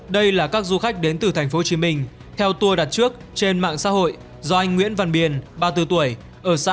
đây là các du khách đến từ tp hcm theo tour đặt trước trên mạng xã hội do anh nguyễn văn biên ba mươi bốn tuổi ở xã